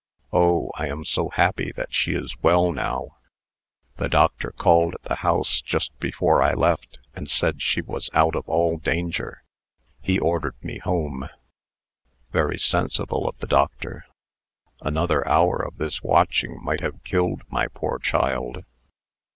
Oh! I am so happy that she is well now. The doctor called at the house just before I left, and said she was out of all danger. He ordered me home." "Very sensible of the doctor. Another hour of this watching might have killed my poor child."